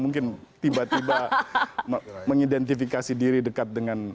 mungkin tiba tiba mengidentifikasi diri dekat dengan